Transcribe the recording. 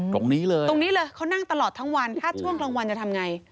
ตรงนี้เลยตรงนี้เลยเขานั่งตลอดทั้งวันถ้าช่วงกลางวันจะทำไง